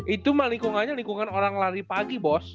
itu mah lingkungannya lingkungan orang lari pagi bos